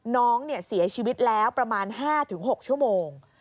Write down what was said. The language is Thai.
น้องเสียชีวิตแล้วประมาณ๕๖ชั่วโมง